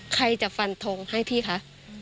ใครจะฟันทงให้พี่คะ